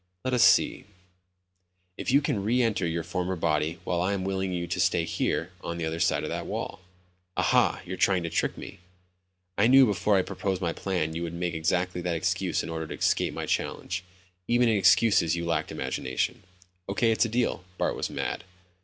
"Let us see ... if you can re enter your former body while I am willing you to stay here, on the other side of that wall." "Ahah. You're trying to trick me." "I knew before I proposed my plan you would make exactly that excuse in order to escape my challenge. Even in excuses you lacked imagination." "Okay, it's a deal." Bart was mad.